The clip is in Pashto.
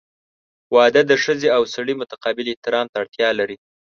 • واده د ښځې او سړي متقابل احترام ته اړتیا لري.